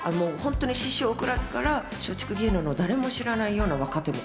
師匠クラスから、松竹芸能の誰も知らないような若手まで。